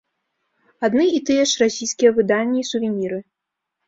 Адны і тыя ж расійскія выданні і сувеніры.